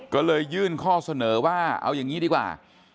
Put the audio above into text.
ก็เลยยื่นข้อเสนอว่าเอาอย่างนี้ดีกว่า